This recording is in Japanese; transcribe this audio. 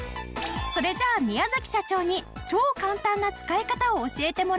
それじゃあ宮社長に超簡単な使い方を教えてもらうよ。